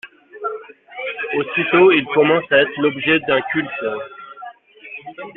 Aussitôt, il commence à être l’objet d’un culte.